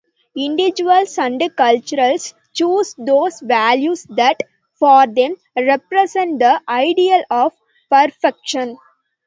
Individuals and cultures choose those values that, for them, represent the ideal of perfection.